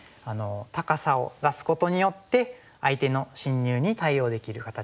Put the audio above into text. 高さを出すことによって相手の侵入に対応できる形になります。